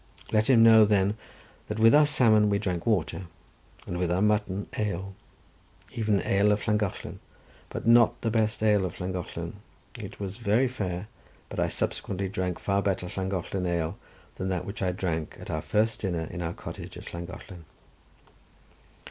Let him know, then, that with our salmon we drank water, and with our mutton ale, even ale of Llangollen; but not the best ale of Llangollen; it was very fair; but I subsequently drank far better Llangollen ale than that which I drank at our first dinner in our cottage at Llangollen.